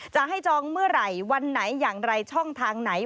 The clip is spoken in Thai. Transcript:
จะให้จองเมื่อไหร่วันไหนอย่างไรช่องทางไหน